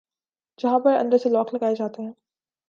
جہاں پر اندر سے لاک لگائے جاتے ہیں